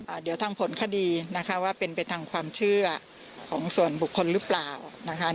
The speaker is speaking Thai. เดี๋ยวทางผลคดีนะคะว่าเป็นไปทางความเชื่อของส่วนบุคคลหรือเปล่านะคะ